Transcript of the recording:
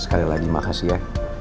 sekali lagi makasih ya